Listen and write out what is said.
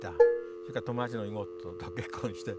それから友達の妹と結婚して。